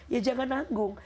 ya jangan nanggung